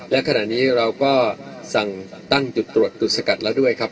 และขณะนี้เราก็สั่งตั้งจุดตรวจจุดสกัดแล้วด้วยครับ